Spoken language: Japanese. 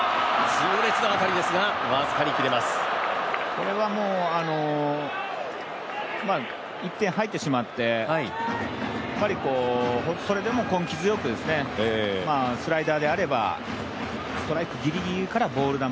これはもう、１点入ってしまってそれでも根気強く、スライダーであれば、ストライクギリギリからボール球。